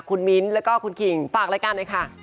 คุณมิ้นแล้วก็คุณขิงฝากรายการเลยค่ะ